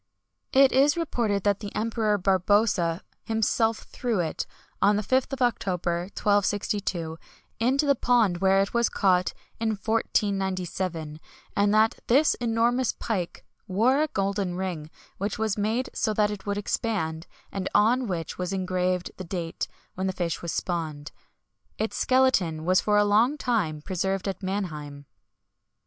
It is reported that the Emperor Barbarossa himself threw it, on the 5th of October, 1262, into the pond where it was caught in 1497; and that this enormous pike wore a golden ring, which was made so that it would expand, and on which was engraved the date when the fish was spawned. Its skeleton was for a long time preserved at Mannheim.